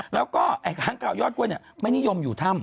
แล้วก็ค้างข่าวยอดกล้วยเนี่ยไม่นิยมอยู่ถ้ำ